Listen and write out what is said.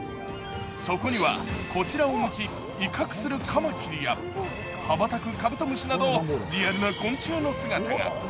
そこには、こちらを向き、威嚇するカマキリや羽ばたくカブトムシなどリアルな昆虫の姿が。